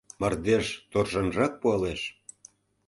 Мардеж торжанрак пуалеш?